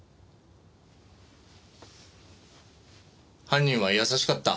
犯人は優しかった。